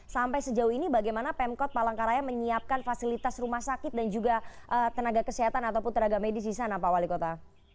sampai sejauh ini bagaimana pemkot palangkaraya menyiapkan fasilitas rumah sakit dan juga tenaga kesehatan ataupun tenaga medis di sana pak wali kota